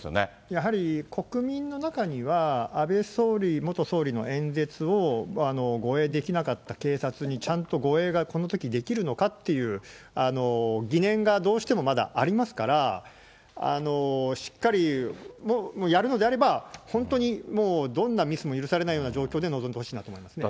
やはり国民の中には、安倍元総理の演説を護衛できなかった警察に、ちゃんと護衛がこのときできるのかっていう疑念が、どうしてもまだありますから、しっかり、やるのであれば、本当にもう、どんなミスも許されないような状況で臨んでほしいなと思いますね。